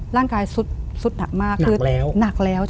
ร่างกายสุดหนักมาก